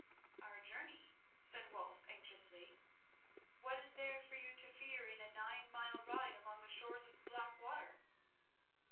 "Our journey?" said Wulf anxiously. "What is there for you to fear in a nine mile ride along the shores of the Blackwater?"